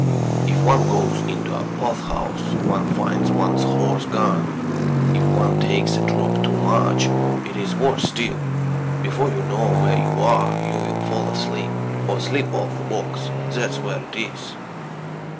If one goes into a pothouse one finds one's horse gone; if one takes a drop too much it is worse still; before you know where you are you will fall asleep or slip off the box. That's where it is."